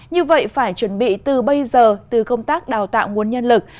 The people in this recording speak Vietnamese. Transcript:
như vậy phải chuẩn bị từ bây giờ từ công tác đào tạo nguồn nhân lực